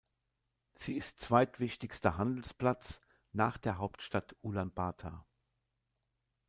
Sie ist zweitwichtigster Handelsplatz nach der Hauptstadt Ulaanbaatar.